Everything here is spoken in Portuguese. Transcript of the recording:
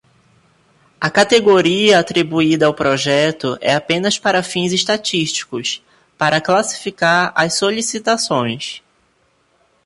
A categoria atribuída ao projeto é apenas para fins estatísticos, para classificar as solicitações.